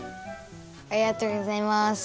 ありがとうございます。